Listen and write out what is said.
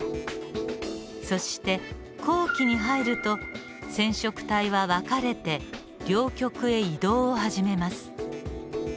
そして後期に入ると染色体は分かれて両極へ移動を始めます。